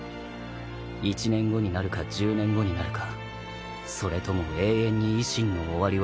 １年後になるか１０年後になるかそれとも永遠に維新の終わりは来ぬままか。